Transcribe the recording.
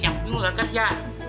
yang penuh nggak kerja